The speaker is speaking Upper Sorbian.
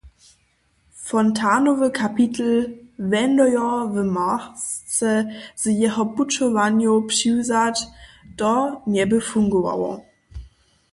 Fontanowy kapitl "Wendojo w marce" z jeho pućowanjow přiwzać, to njeby fungowało.